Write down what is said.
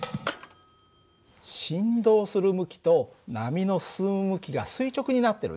振動する向きと波の進む向きが垂直になってるね。